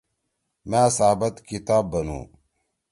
مأ سابت کتاب بنُو۔